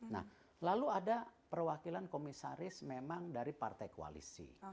nah lalu ada perwakilan komisaris memang dari partai koalisi